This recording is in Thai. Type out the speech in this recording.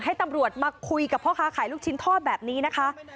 ให้ตำรวจมาคุยกับพ่อค้าขายลูกชิ้นทอดแบบนี้นะคะ